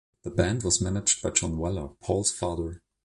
The band was managed by John Weller, Paul's father.